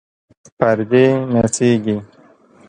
پردې نڅیږي